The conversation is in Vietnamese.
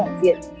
củng cao thấp chậm